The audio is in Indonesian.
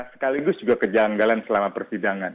sekaligus juga kejanggalan selama persidangan